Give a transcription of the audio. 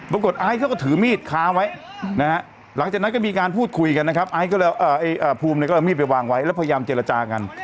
ไอซ์เขาก็ถือมีดค้างไว้นะฮะหลังจากนั้นก็มีการพูดคุยกันนะครับไอซ์ก็เลยภูมิเนี่ยก็เอามีดไปวางไว้แล้วพยายามเจรจากัน